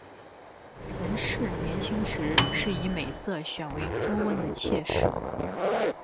陈氏年轻时以美色选为朱温的妾室。